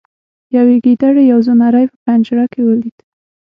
یوې ګیدړې یو زمری په پنجره کې ولید.